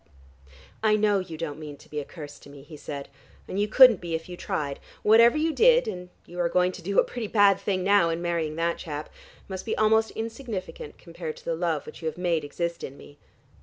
"I know you don't mean to be a curse to me," he said, "and you couldn't be if you tried. Whatever you did, and you are going to do a pretty bad thing now in marrying that chap, must be almost insignificant compared to the love which you have made exist in me."